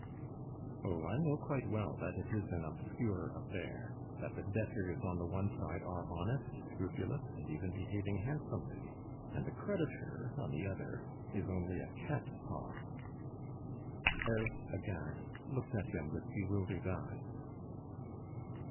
"Oh! I know quite well that it is an obscure affair, that the debtors on the one side are honest, scrupulous, and even behaving handsomely; and the creditor, on the other, is only a cat's paw " Eve, aghast, looked at him with bewildered eyes.